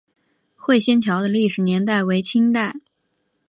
会仙桥的历史年代为清代。